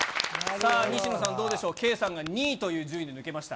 さあ、西野さん、どうでしょう、圭さんが２位という順位で抜けました。